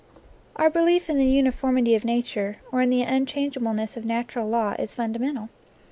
Our belief in the uniformity of nature, or in the unchangeableness of natural law, is fundamental.